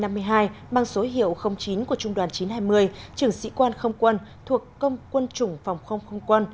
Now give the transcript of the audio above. mang số hiệu chín của trung đoàn chín trăm hai mươi trưởng sĩ quan không quân thuộc công quân chủng phòng không không quân